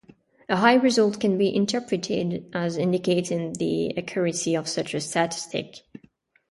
A high result can be interpreted as indicating the accuracy of such a statistic.